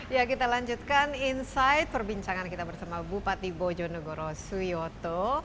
ya kita lanjutkan insight perbincangan kita bersama bupati bojonegoro suyoto